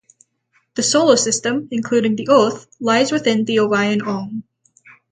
The Solar System, including the Earth, lies within the Orion Arm.